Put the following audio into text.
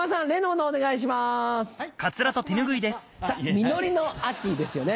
実りの秋ですよね。